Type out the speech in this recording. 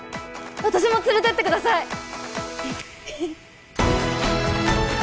私も連れてってください！